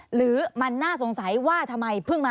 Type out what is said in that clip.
หรือมันน่าสงสัยว่าทำไมเพิ่งมา